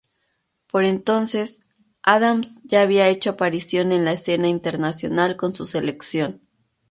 Por entonces, Adams ya había hecho aparición en la escena internacional con su selección.